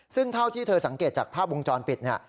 ซึ่งเท่าที่เธอสังเกตจากภาพวงจรปิดเนี่ย